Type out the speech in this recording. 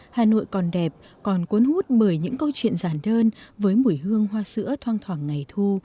hà nội còn đẹp còn cuốn hút bởi những câu chuyện giản đơn với mùi hương hoa sữa thoan thoảng ngày thu